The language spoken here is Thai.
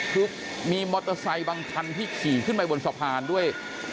คือมีมอเตอร์ไซค์บางคันที่ขี่ขึ้นไปบนสะพานด้วย